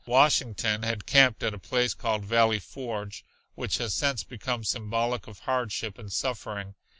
Washington had camped at a place called Valley Forge which has since become symbolic of hardship and suffering.